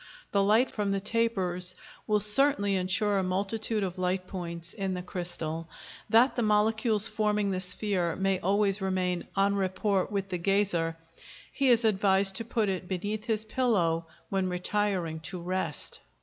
The light from the tapers will certainly ensure a multitude of light points in the crystal. That the molecules forming the sphere may always remain en rapport with the gazer, he is advised to put it beneath his pillow when retiring to rest.